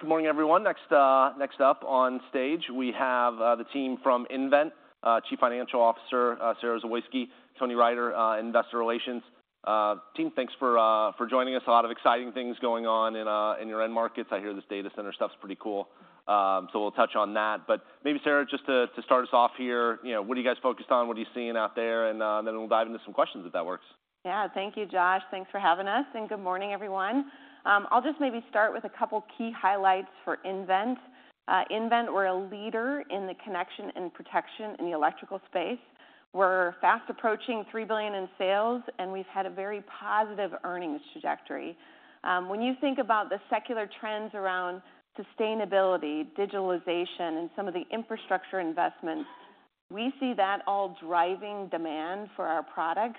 Good morning, everyone. Next up on stage, we have the team from nVent, Chief Financial Officer Sara Zawoyski, Tony Riter, Investor Relations. Team, thanks for joining us. A lot of exciting things going on in your end markets. I hear this data center stuff's pretty cool, so we'll touch on that. But maybe, Sara, just to start us off here, you know, what are you guys focused on? What are you seeing out there? And then we'll dive into some questions, if that works. Yeah. Thank you, Josh. Thanks for having us, and good morning, everyone. I'll just maybe start with a couple key highlights for nVent. nVent, we're a leader in the connection and protection in the electrical space. We're fast approaching $3 billion in sales, and we've had a very positive earnings trajectory. When you think about the secular trends around sustainability, digitalization, and some of the infrastructure investments, we see that all driving demand for our products.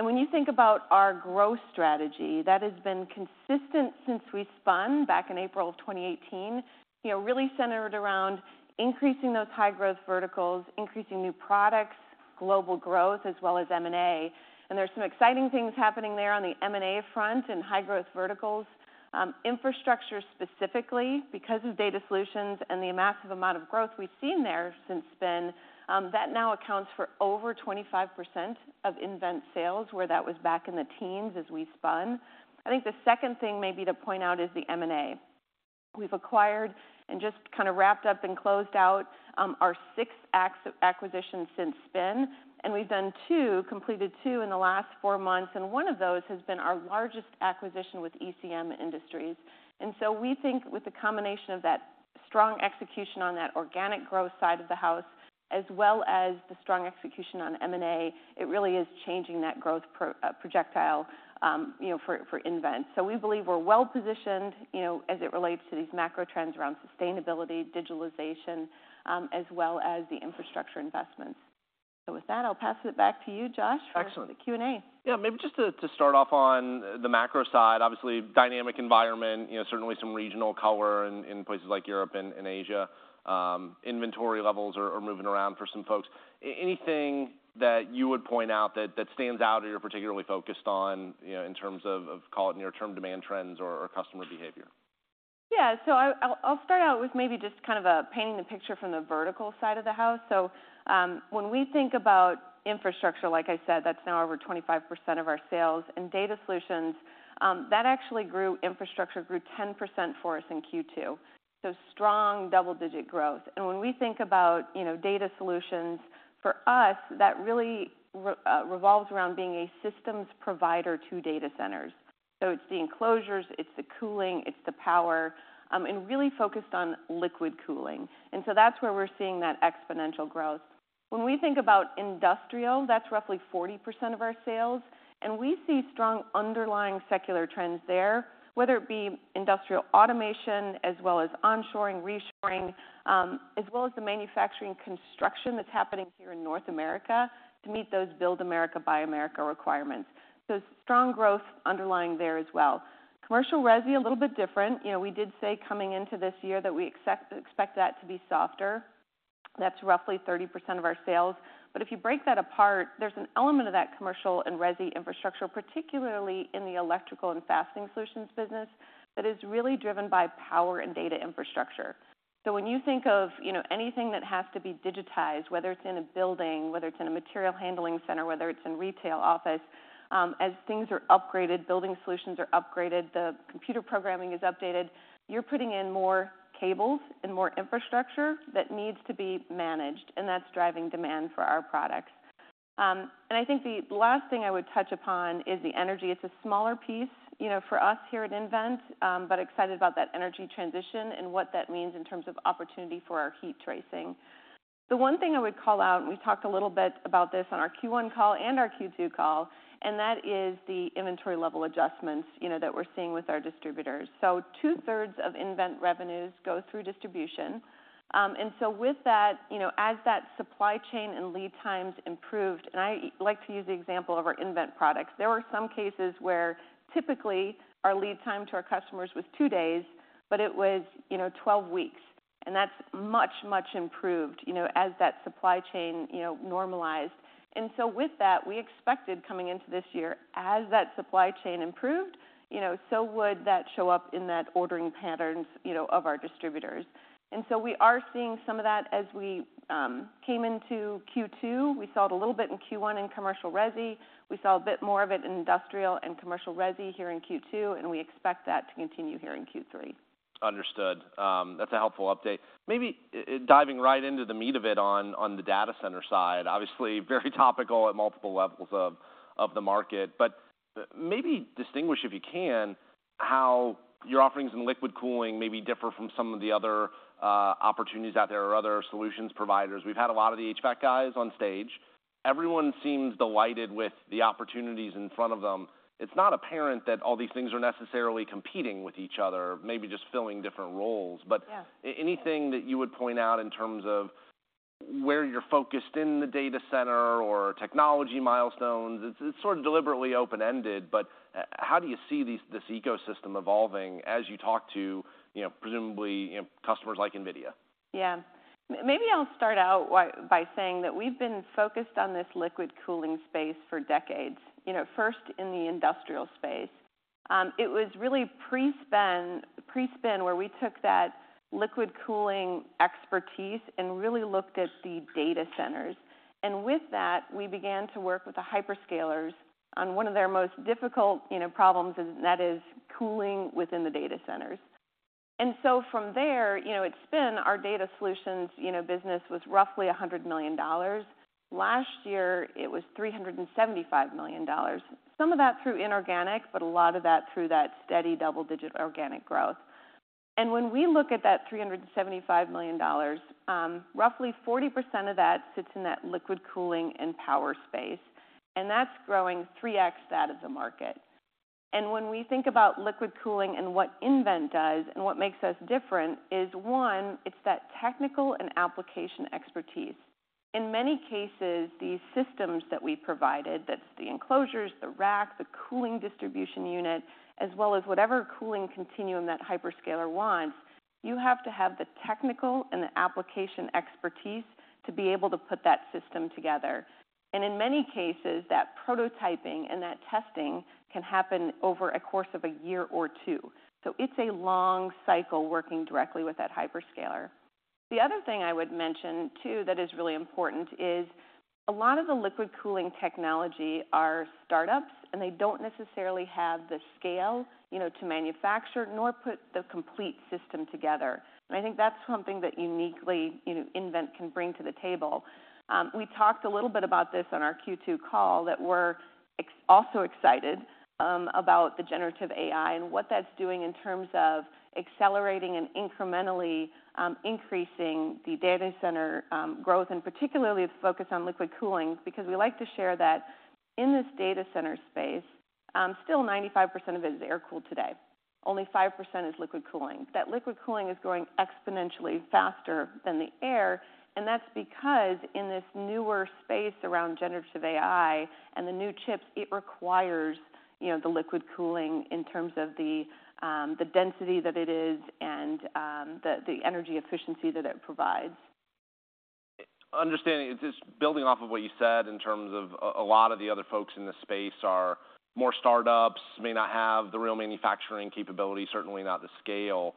When you think about our growth strategy, that has been consistent since we spun back in April of 2018, you know, really centered around increasing those high-growth verticals, increasing new products, global growth, as well as M&A. There's some exciting things happening there on the M&A front in high-growth verticals. Infrastructure, specifically, because of data solutions and the massive amount of growth we've seen there since then, that now accounts for over 25% of nVent sales, where that was back in the teens as we spun. I think the second thing maybe to point out is the M&A. We've acquired and just kind of wrapped up and closed out, our sixth acquisition since spin, and we've done two, completed two in the last four months, and one of those has been our largest acquisition with ECM Industries. And so we think with the combination of that strong execution on that organic growth side of the house, as well as the strong execution on M&A, it really is changing that growth projectile, you know, for, for nVent. So we believe we're well-positioned, you know, as it relates to these macro trends around sustainability, digitalization, as well as the infrastructure investments. So with that, I'll pass it back to you, Josh- Excellent. For the Q&A. Yeah, maybe just to start off on the macro side, obviously, dynamic environment, you know, certainly some regional color in places like Europe and Asia. Inventory levels are moving around for some folks. Anything that you would point out that stands out or you're particularly focused on, you know, in terms of call it near-term demand trends or customer behavior? Yeah. So I'll start out with maybe just kind of painting the picture from the vertical side of the house. So when we think about infrastructure, like I said, that's now over 25% of our sales, and data solutions, that actually grew... infrastructure grew 10% for us in Q2, so strong double-digit growth. And when we think about, you know, data solutions, for us, that really revolves around being a systems provider to data centers. So it's the enclosures, it's the cooling, it's the power, and really focused on liquid cooling. And so that's where we're seeing that exponential growth. When we think about industrial, that's roughly 40% of our sales, and we see strong underlying secular trends there, whether it be industrial automation, as well as onshoring, reshoring, as well as the manufacturing construction that's happening here in North America to meet those Build America, Buy America requirements, so strong growth underlying there as well. Commercial resi, a little bit different. You know, we did say coming into this year that we expect that to be softer. That's roughly 30% of our sales. But if you break that apart, there's an element of that commercial and resi infrastructure, particularly in the electrical and fastening solutions business, that is really driven by power and data infrastructure. So when you think of, you know, anything that has to be digitized, whether it's in a building, whether it's in a material handling center, whether it's in retail office, as things are upgraded, building solutions are upgraded, the computer programming is updated, you're putting in more cables and more infrastructure that needs to be managed, and that's driving demand for our products. And I think the last thing I would touch upon is the energy. It's a smaller piece, you know, for us here at nVent, but excited about that energy transition and what that means in terms of opportunity for our heat tracing. The one thing I would call out, and we talked a little bit about this on our Q1 call and our Q2 call, and that is the inventory level adjustments, you know, that we're seeing with our distributors. So 2/3 of nVent revenues go through distribution. And so with that, you know, as that supply chain and lead times improved, and I like to use the example of our nVent products, there were some cases where typically our lead time to our customers was two days, but it was, you know, 12 weeks, and that's much, much improved, you know, as that supply chain, you know, normalized. And so with that, we expected coming into this year, as that supply chain improved, you know, so would that show up in that ordering patterns, you know, of our distributors. And so we are seeing some of that as we came into Q2. We saw it a little bit in Q1 in commercial resi. We saw a bit more of it in industrial and commercial resi here in Q2, and we expect that to continue here in Q3. Understood. That's a helpful update. Maybe diving right into the meat of it on the data center side, obviously, very topical at multiple levels of the market, but maybe distinguish, if you can, how your offerings in liquid cooling maybe differ from some of the other opportunities out there or other solutions providers. We've had a lot of the HVAC guys on stage. Everyone seems delighted with the opportunities in front of them. It's not apparent that all these things are necessarily competing with each other, maybe just filling different roles. Yeah. But anything that you would point out in terms of where you're focused in the data center or technology milestones? It's, it's sort of deliberately open-ended, but how do you see this ecosystem evolving as you talk to, you know, presumably, you know, customers like NVIDIA? Yeah. Maybe I'll start out by saying that we've been focused on this liquid cooling space for decades, you know, first in the industrial space. It was really pre-spin, pre-spin, where we took that liquid cooling expertise and really looked at the data centers. And with that, we began to work with the hyperscalers on one of their most difficult, you know, problems, and that is cooling within the data centers. And so from there, you know, at spin, our data solutions, you know, business was roughly $100 million. Last year, it was $375 million. Some of that through inorganic, but a lot of that through that steady double-digit organic growth. When we look at that $375 million, roughly 40% of that sits in that liquid cooling and power space, and that's growing 3x that of the market. And when we think about liquid cooling and what nVent does, and what makes us different is, one, it's that technical and application expertise. In many cases, the systems that we provided, that's the enclosures, the rack, the cooling distribution unit, as well as whatever cooling continuum that hyperscaler wants, you have to have the technical and the application expertise to be able to put that system together. And in many cases, that prototyping and that testing can happen over a course of a year or two. So it's a long cycle working directly with that hyperscaler. The other thing I would mention, too, that is really important is a lot of the liquid cooling technology are startups, and they don't necessarily have the scale, you know, to manufacture nor put the complete system together. I think that's something that uniquely, you know, nVent can bring to the table. We talked a little bit about this on our Q2 call, that we're also excited about the Generative AI and what that's doing in terms of accelerating and incrementally increasing the data center growth, and particularly the focus on liquid cooling, because we like to share that in this data center space still 95% of it is air-cooled today. Only 5% is liquid cooling. That liquid cooling is growing exponentially faster than the air, and that's because in this newer space around generative AI and the new chips, it requires, you know, the liquid cooling in terms of the density that it is and the energy efficiency that it provides. Understanding, just building off of what you said in terms of a lot of the other folks in this space are more startups, may not have the real manufacturing capability, certainly not the scale.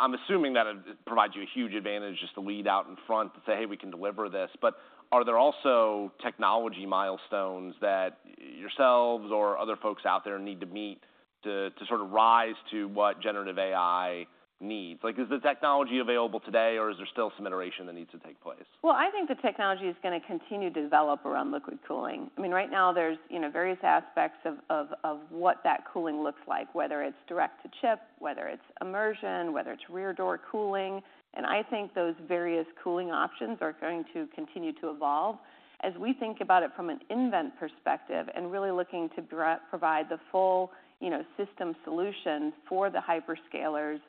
I'm assuming that it provides you a huge advantage just to lead out in front and say, "Hey, we can deliver this." But are there also technology milestones that yourselves or other folks out there need to meet to sort of rise to what Generative AI needs? Like, is the technology available today, or is there still some iteration that needs to take place? Well, I think the technology is going to continue to develop around liquid cooling. I mean, right now, there's, you know, various aspects of what that cooling looks like, whether it's direct to chip, whether it's immersion, whether it's rear door cooling, and I think those various cooling options are going to continue to evolve. As we think about it from an nVent perspective and really looking to provide the full, you know, system solution for the hyperscalers,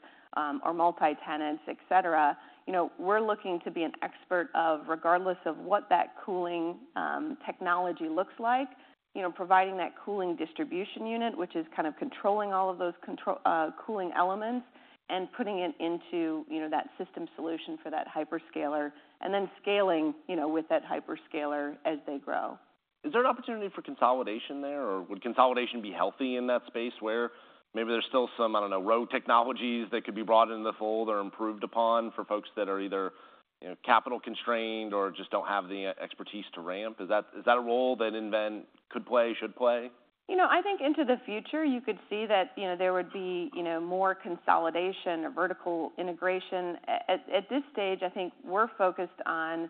or multi-tenants, et cetera, you know, we're looking to be an expert of regardless of what that cooling technology looks like, you know, providing that cooling distribution unit, which is kind of controlling all of those cooling elements and putting it into, you know, that system solution for that hyperscaler, and then scaling, you know, with that hyperscaler as they grow. Is there an opportunity for consolidation there, or would consolidation be healthy in that space where maybe there's still some, I don't know, road technologies that could be brought into the fold or improved upon for folks that are either, you know, capital constrained or just don't have the expertise to ramp? Is that, is that a role that nVent could play, should play? You know, I think into the future, you could see that, you know, there would be, you know, more consolidation or vertical integration. At this stage, I think we're focused on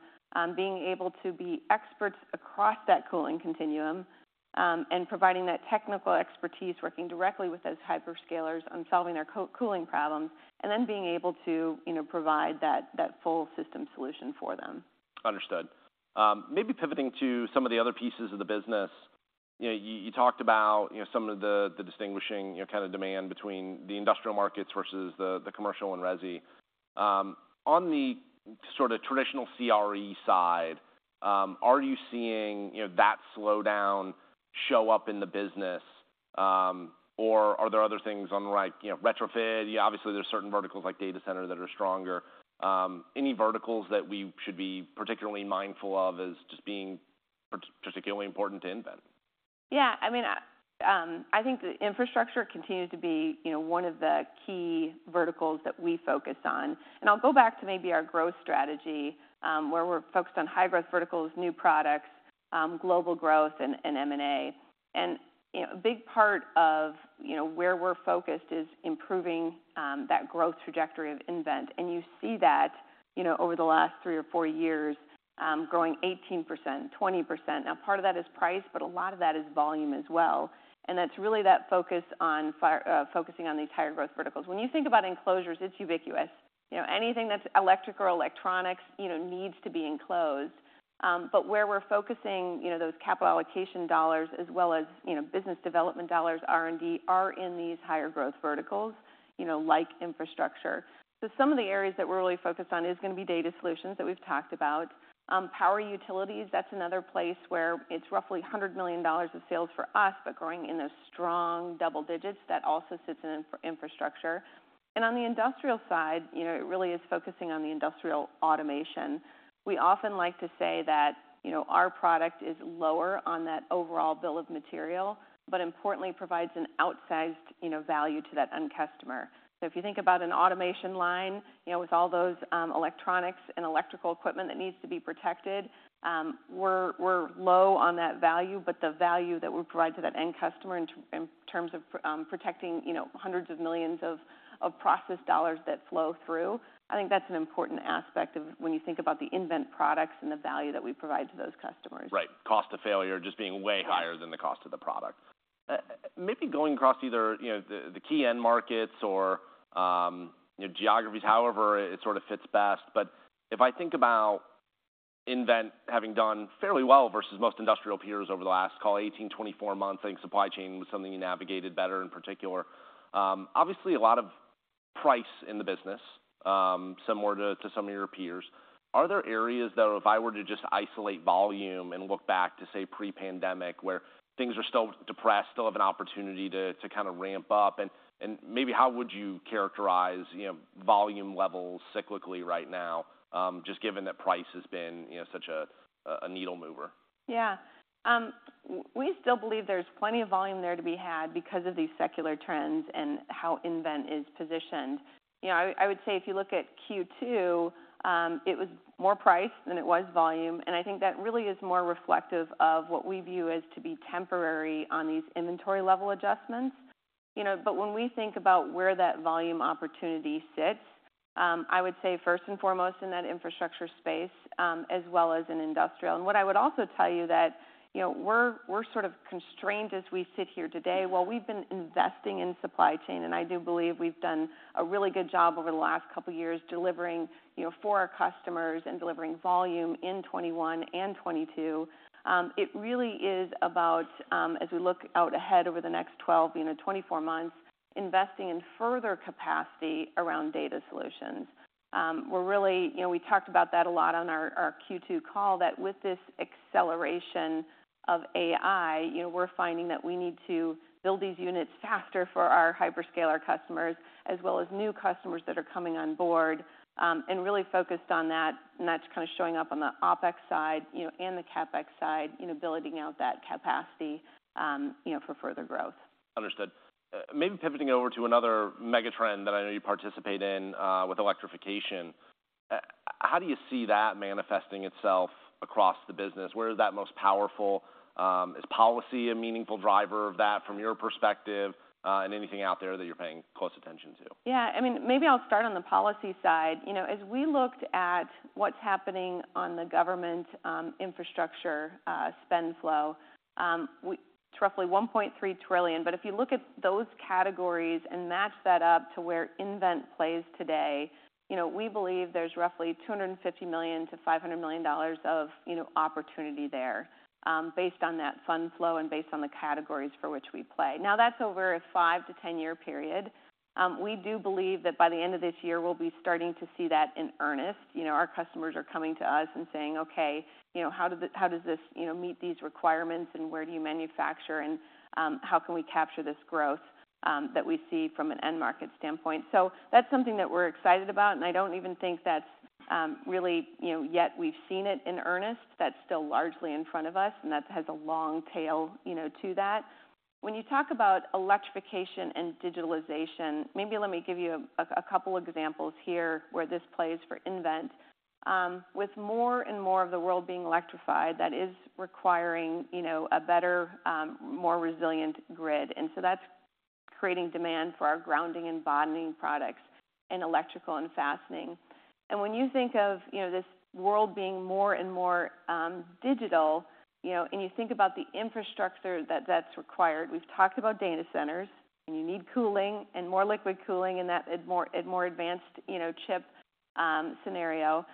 being able to be experts across that cooling continuum, and providing that technical expertise, working directly with those hyperscalers on solving their co-cooling problems, and then being able to, you know, provide that, that full system solution for them. Understood. Maybe pivoting to some of the other pieces of the business. You know, you, you talked about, you know, some of the, the distinguishing, you know, kind of demand between the industrial markets versus the, the commercial and resi. On the sort of traditional CRE side, are you seeing, you know, that slowdown show up in the business? Or are there other things on the right, you know, retrofit? Yeah, obviously, there's certain verticals like data center that are stronger. Any verticals that we should be particularly mindful of as just being particularly important to nVent? Yeah, I mean, I think the infrastructure continues to be, you know, one of the key verticals that we focus on. And I'll go back to maybe our growth strategy, where we're focused on high-growth verticals, new products, global growth, and, and M&A. And, you know, a big part of, you know, where we're focused is improving, that growth trajectory of nVent. And you see that, you know, over the last three or four years, growing 18%, 20%. Now, part of that is price, but a lot of that is volume as well, and that's really that focus on focusing on these higher growth verticals. When you think about enclosures, it's ubiquitous. You know, anything that's electrical or electronics, you know, needs to be enclosed. But where we're focusing, you know, those capital allocation dollars as well as, you know, business development dollars, R&D, are in these higher growth verticals, you know, like infrastructure. So some of the areas that we're really focused on is going to be data solutions that we've talked about. Power utilities, that's another place where it's roughly $100 million of sales for us, but growing in those strong double digits, that also sits in infrastructure. And on the industrial side, you know, it really is focusing on the industrial automation. We often like to say that, you know, our product is lower on that overall bill of material, but importantly, provides an outsized, you know, value to that end customer. If you think about an automation line, you know, with all those electronics and electrical equipment that needs to be protected, we're low on that value, but the value that we provide to that end customer in terms of protecting, you know, hundreds of millions of process dollars that flow through, I think that's an important aspect of when you think about the nVent products and the value that we provide to those customers. Right. Cost of failure just being way higher than the cost of the product. Maybe going across either, you know, the key end markets or, you know, geographies, however it sort of fits best. But if I think about nVent having done fairly well versus most industrial peers over the last, call it 18, 24 months, I think supply chain was something you navigated better in particular. Obviously, a lot of price in the business, similar to some of your peers. Are there areas that if I were to just isolate volume and look back to, say, pre-pandemic, where things are still depressed, still have an opportunity to kind of ramp up? And maybe how would you characterize, you know, volume levels cyclically right now, just given that price has been, you know, such a needle mover? Yeah. We still believe there's plenty of volume there to be had because of these secular trends and how nVent is positioned. You know, I would say if you look at Q2, it was more price than it was volume, and I think that really is more reflective of what we view as to be temporary on these inventory level adjustments. You know, but when we think about where that volume opportunity sits, I would say first and foremost in that infrastructure space, as well as in industrial. And what I would also tell you that, you know, we're sort of constrained as we sit here today. While we've been investing in supply chain, and I do believe we've done a really good job over the last couple of years delivering, you know, for our customers and delivering volume in 2021 and 2022, it really is about, as we look out ahead over the next 12, you know, 24 months, investing in further capacity around data solutions. We're really you know, we talked about that a lot on our Q2 call, that with this acceleration of AI, you know, we're finding that we need to build these units faster for our hyperscaler customers, as well as new customers that are coming on board, and really focused on that. And that's kind of showing up on the OpEx side, you know, and the CapEx side, you know, building out that capacity, you know, for further growth. Understood. Maybe pivoting over to another mega trend that I know you participate in, with electrification. How do you see that manifesting itself across the business? Where is that most powerful? Is policy a meaningful driver of that from your perspective, and anything out there that you're paying close attention to? Yeah, I mean, maybe I'll start on the policy side. You know, as we looked at what's happening on the government infrastructure spend flow, it's roughly $1.3 trillion. But if you look at those categories and match that up to where nVent plays today, you know, we believe there's roughly $250 million-$500 million of opportunity there, based on that fund flow and based on the categories for which we play. Now, that's over a five to 10-year period. We do believe that by the end of this year, we'll be starting to see that in earnest. You know, our customers are coming to us and saying, "Okay, you know, how does this, you know, meet these requirements, and where do you manufacture, and, how can we capture this growth, that we see from an end market standpoint?" So that's something that we're excited about, and I don't even think that's, really, you know, yet we've seen it in earnest. That's still largely in front of us, and that has a long tail, you know, to that. When you talk about electrification and digitalization, maybe let me give you a couple examples here where this plays for nVent. With more and more of the world being electrified, that is requiring, you know, a better, more resilient grid. And so that's creating demand for our grounding and bonding products, and electrical and fastening. And when you think of, you know, this world being more and more digital, you know, and you think about the infrastructure that that's required, we've talked about data centers, and you need cooling and more liquid cooling in that more advanced, you know, chip scenario.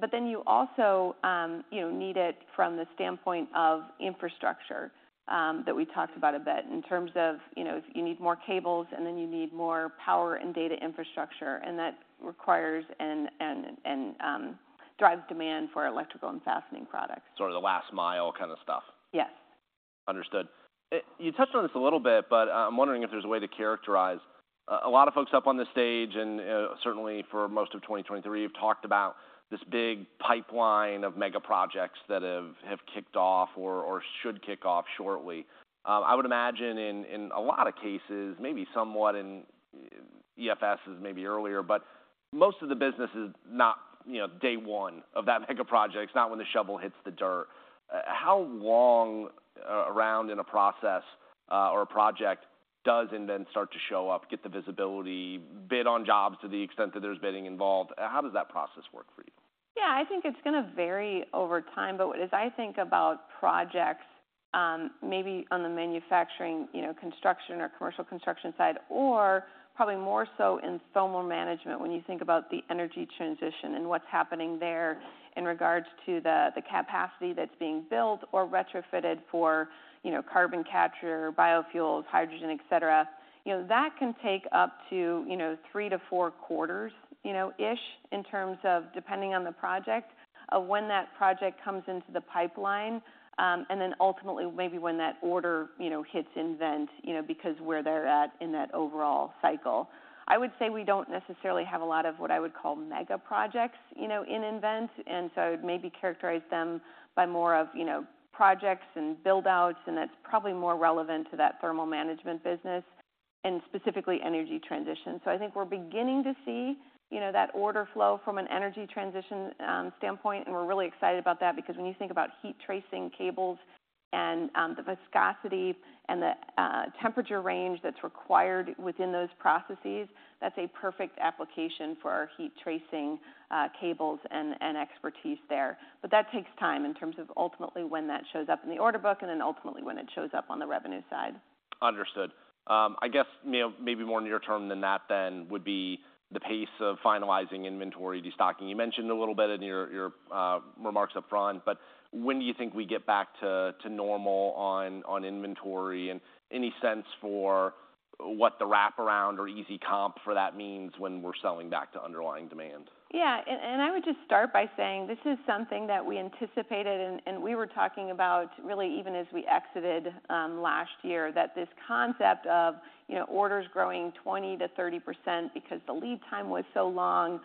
But then you also, you know, need it from the standpoint of infrastructure that we talked about a bit in terms of, you know, you need more cables, and then you need more power and data infrastructure, and that requires and drives demand for electrical and fastening products. Sort of the last mile kind of stuff? Yes. Understood. You touched on this a little bit, but, I'm wondering if there's a way to characterize... A lot of folks up on the stage, and, certainly for most of 2023, have talked about this big pipeline of mega projects that have kicked off or should kick off shortly. I would imagine in a lot of cases, maybe somewhat in EFSes maybe earlier, but most of the business is not, you know, day one of that mega project. It's not when the shovel hits the dirt. How long around in a process or a project does nVent start to show up, get the visibility, bid on jobs to the extent that there's bidding involved? How does that process work for you? Yeah, I think it's gonna vary over time. But as I think about projects, maybe on the manufacturing, you know, construction or commercial construction side, or probably more so in thermal management, when you think about the energy transition and what's happening there in regards to the capacity that's being built or retrofitted for, you know, carbon capture, biofuels, hydrogen, et cetera, you know, that can take up to, you know, three to four quarters, you know, ish, in terms of depending on the project, of when that project comes into the pipeline, and then ultimately, maybe when that order, you know, hits nVent, you know, because where they're at in that overall cycle. I would say we don't necessarily have a lot of what I would call mega projects, you know, in nVent, and so I'd maybe characterize them by more of, you know, projects and build-outs, and that's probably more relevant to that thermal management business and specifically energy transition. So I think we're beginning to see, you know, that order flow from an energy transition standpoint, and we're really excited about that, because when you think about heat tracing cables and the viscosity and the temperature range that's required within those processes, that's a perfect application for our heat tracing cables and expertise there. But that takes time in terms of ultimately when that shows up in the order book, and then ultimately when it shows up on the revenue side. Understood. I guess, you know, maybe more near term than that then would be the pace of finalizing inventory, destocking. You mentioned a little bit in your remarks upfront, but when do you think we get back to normal on inventory? And any sense for what the wraparound or easy comp for that means when we're selling back to underlying demand? Yeah. And, and I would just start by saying this is something that we anticipated, and, and we were talking about really even as we exited, last year, that this concept of, you know, orders growing 20%-30% because the lead time was so long,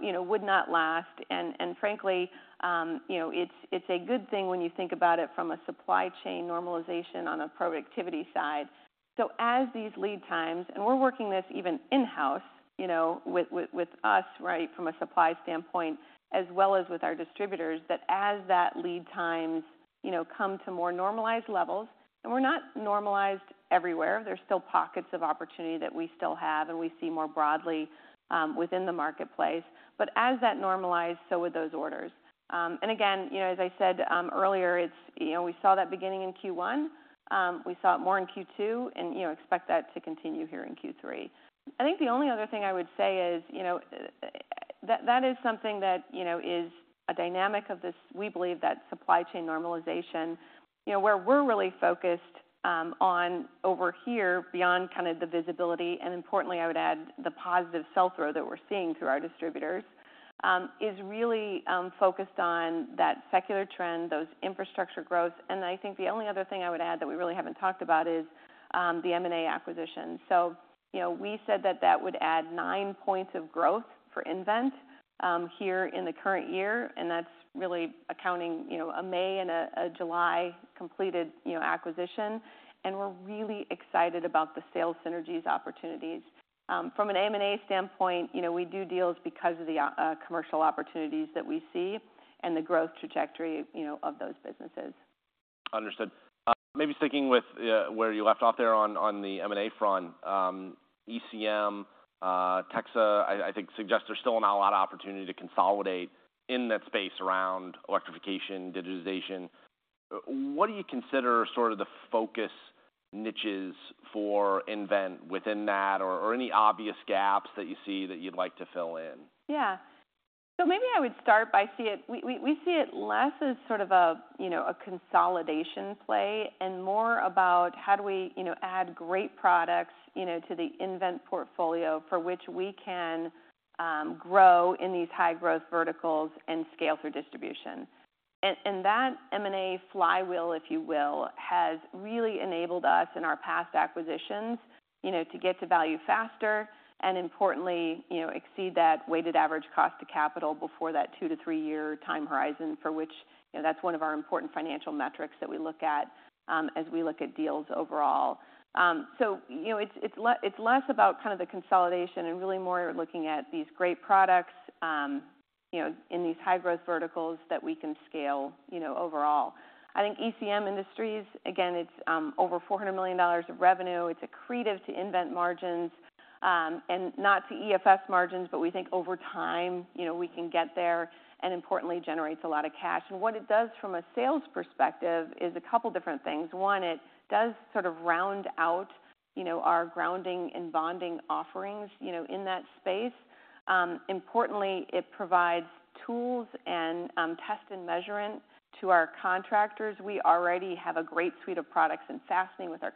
you know, would not last. And, and frankly, you know, it's, it's a good thing when you think about it from a supply chain normalization on a productivity side. So as these lead times... And we're working this even in-house, you know, with, with, with us, right, from a supply standpoint, as well as with our distributors, that as that lead times, you know, come to more normalized levels, and we're not normalized everywhere, there's still pockets of opportunity that we still have and we see more broadly, within the marketplace, but as that normalized, so would those orders. And again, you know, as I said earlier, it's, you know, we saw that beginning in Q1. We saw it more in Q2, and, you know, expect that to continue here in Q3. I think the only other thing I would say is, you know, that is something that, you know, is a dynamic of this. We believe that supply chain normalization, you know, where we're really focused on over here, beyond kind of the visibility, and importantly, I would add, the positive sell-through that we're seeing through our distributors is really focused on that secular trend, those infrastructure growth. And I think the only other thing I would add that we really haven't talked about is the M&A acquisition. So, you know, we said that that would add 9 points of growth for nVent, here in the current year, and that's really accounting, you know, a May and a July completed, you know, acquisition, and we're really excited about the sales synergies opportunities. From an M&A standpoint, you know, we do deals because of the commercial opportunities that we see and the growth trajectory, you know, of those businesses. Understood. Maybe sticking with where you left off there on the M&A front. ECM, TEXA, I think suggest there's still not a lot of opportunity to consolidate in that space around electrification, digitization. What do you consider sort of the focus niches for nVent within that, or any obvious gaps that you see that you'd like to fill in? Yeah. So maybe I would start by seeing it less as sort of a, you know, a consolidation play and more about how do we, you know, add great products, you know, to the nVent portfolio for which we can grow in these high-growth verticals and scale through distribution. And that M&A flywheel, if you will, has really enabled us in our past acquisitions, you know, to get to value faster and importantly, you know, exceed that weighted average cost of capital before that two to three-year time horizon, for which, you know, that's one of our important financial metrics that we look at as we look at deals overall. So you know, it's less about kind of the consolidation and really more looking at these great products, you know, in these high-growth verticals that we can scale, you know, overall. I think ECM Industries, again, it's over $400 million of revenue. It's accretive to nVent margins, and not to EFS margins, but we think over time, you know, we can get there, and importantly, generates a lot of cash. And what it does from a sales perspective is a couple different things. One, it does sort of round out, you know, our grounding and bonding offerings, you know, in that space. Importantly, it provides tools and test and measurement to our contractors. We already have a great suite of products and fastening with our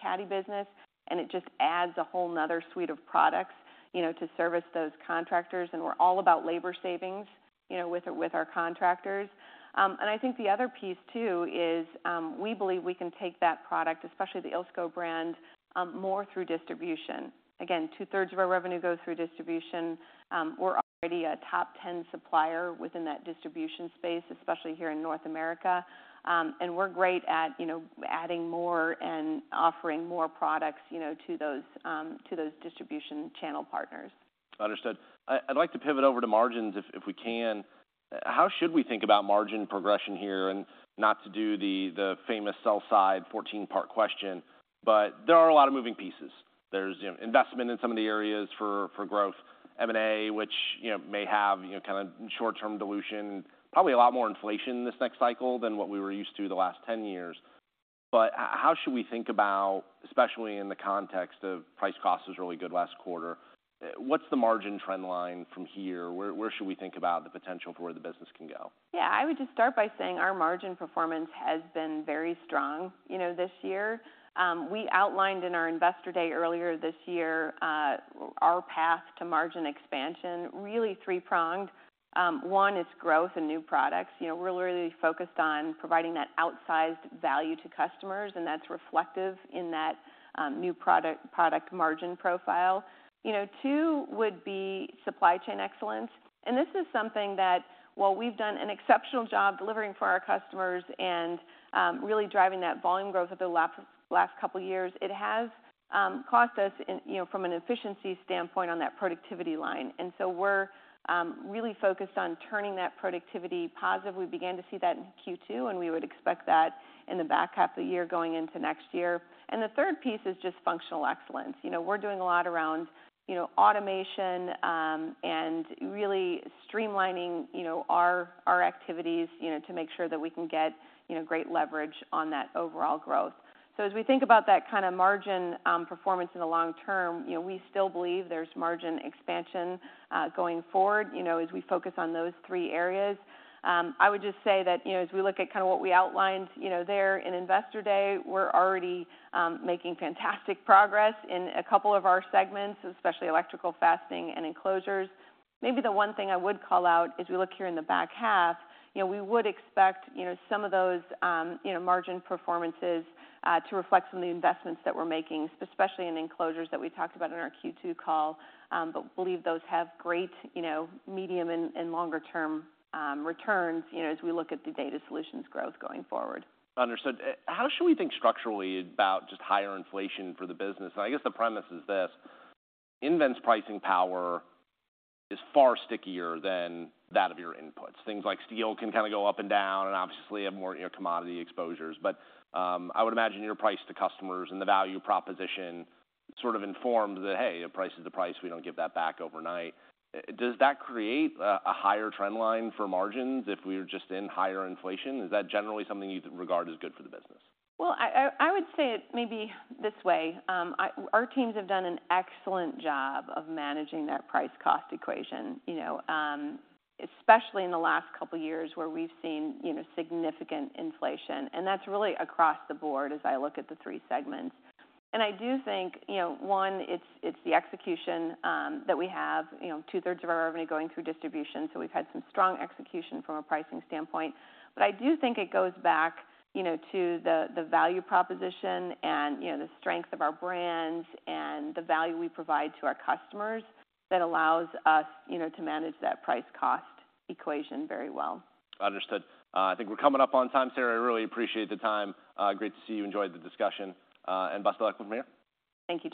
CADDY business, and it just adds a whole another suite of products, you know, to service those contractors, and we're all about labor savings, you know, with our contractors. I think the other piece too is we believe we can take that product, especially the ILSCO brand, more through distribution. Again, 2/3 of our revenue goes through distribution. We're already a top 10 supplier within that distribution space, especially here in North America. And we're great at, you know, adding more and offering more products, you know, to those distribution channel partners. Understood. I'd like to pivot over to margins if we can. How should we think about margin progression here? And not to do the famous sell side 14-part question, but there are a lot of moving pieces. There's, you know, investment in some of the areas for growth, M&A, which, you know, may have, you know, kind of short-term dilution, probably a lot more inflation this next cycle than what we were used to the last 10 years. But how should we think about, especially in the context of price cost was really good last quarter. What's the margin trend line from here? Where, where should we think about the potential for where the business can go? Yeah, I would just start by saying our margin performance has been very strong, you know, this year. We outlined in our Investor Day earlier this year, our path to margin expansion, really three-pronged. One is growth and new products. You know, we're really focused on providing that outsized value to customers, and that's reflective in that, new product, product margin profile. You know, two would be supply chain excellence, and this is something that while we've done an exceptional job delivering for our customers and, really driving that volume growth over the last couple of years, it has, cost us in, you know, from an efficiency standpoint on that productivity line. And so we're, really focused on turning that productivity positive. We began to see that in Q2, and we would expect that in the back half of the year going into next year. The third piece is just functional excellence. You know, we're doing a lot around, you know, automation, and really streamlining, you know, our activities, you know, to make sure that we can get, you know, great leverage on that overall growth. So as we think about that kind of margin performance in the long term, you know, we still believe there's margin expansion going forward, you know, as we focus on those three areas. I would just say that, you know, as we look at kind of what we outlined, you know, there in Investor Day, we're already making fantastic progress in a couple of our segments, especially electrical, fastening, and enclosures. Maybe the one thing I would call out as we look here in the back half, you know, we would expect, you know, some of those, you know, margin performances to reflect some of the investments that we're making, especially in enclosures that we talked about in our Q2 call, but believe those have great, you know, medium and, and longer-term returns, you know, as we look at the data solutions growth going forward. Understood. How should we think structurally about just higher inflation for the business? I guess the premise is this: nVent's pricing power is far stickier than that of your inputs. Things like steel can kind of go up and down and obviously have more, you know, commodity exposures. But, I would imagine your price to customers and the value proposition sort of informed that, "Hey, a price is a price. We don't give that back overnight." Does that create a higher trend line for margins if we are just in higher inflation? Is that generally something you'd regard as good for the business? Well, I would say it maybe this way: our teams have done an excellent job of managing that price-cost equation, you know, especially in the last couple of years, where we've seen significant inflation, and that's really across the board as I look at the three segments. And I do think, you know, one, it's the execution that we have, you know, 2/3 of our revenue going through distribution, so we've had some strong execution from a pricing standpoint. But I do think it goes back, you know, to the value proposition and, you know, the strength of our brands and the value we provide to our customers that allows us, you know, to manage that price-cost equation very well. Understood. I think we're coming up on time, Sara. I really appreciate the time. Great to see you. Enjoyed the discussion, and best of luck with Mayer. Thank you.